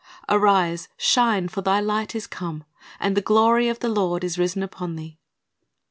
"Arise, shine; for thy light is come, and the glory of the Lord is risen upon thee."